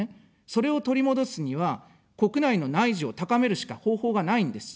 それを取り戻すには、国内の内需を高めるしか方法がないんです。